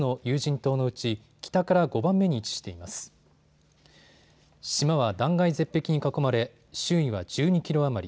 島は断崖絶壁に囲まれ、周囲は１２キロ余り。